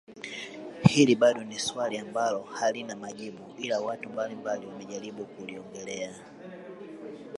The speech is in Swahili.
Hili bado ni swali ambalo halina majibu ila watu mbalimbali wamejaribu kuliongelea